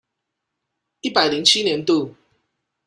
一百零七年度